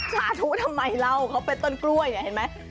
สาธุทำไมเล่าเขาเป็นต้นกล้วยเนี่ยเห็นไหม